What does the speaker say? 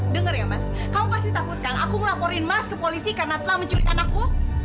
dengar ya mas kamu pasti takut kang aku ngelaporin mas ke polisi karena telah menculik anakku